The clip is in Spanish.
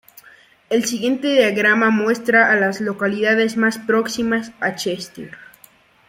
El siguiente diagrama muestra a las localidades más próximas a Chester.